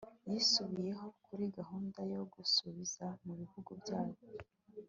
yisubiyeho kuri gahunda yo gusubiza mu bihugu byabo